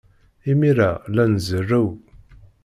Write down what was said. Imir-a, la nzerrew.